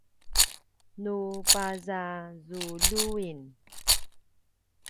nu pazazuljuin